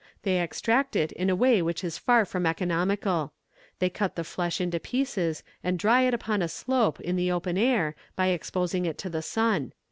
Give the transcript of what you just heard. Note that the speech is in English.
They extract it in a way which is far from economical. They cut the flesh into pieces, and dry it upon a slope in the open air, by exposing it to the sun.